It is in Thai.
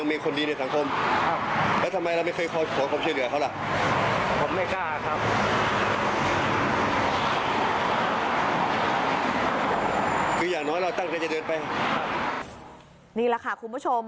นี่แหละค่ะคุณผู้ชม